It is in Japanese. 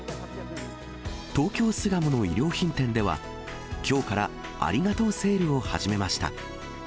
東京・巣鴨の衣料品店では、きょうから、ありがとうセールを始めました。